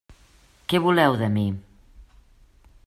Què voleu de mi?